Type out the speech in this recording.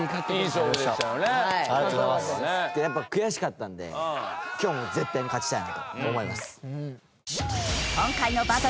やっぱ悔しかったんで今日は絶対に勝ちたいなと思います。